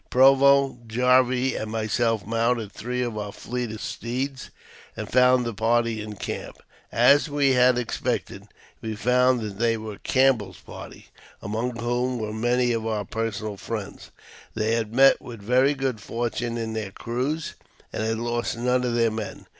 Provo, Jarvey, and myself mounted three of our fleetest steeds, and found the party in camp. As we had expected, we found they were Camp bell's party, among whom were many of our personal friends. They had met with very good fortune in their cruise, and had lost none of their men.